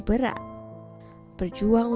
terima kasih r alat kamarin